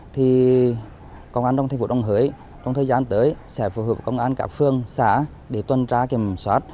thì công an trong thành phố đồng hới trong thời gian tới sẽ phù hợp với công an các phương xã để tuần tra kiểm soát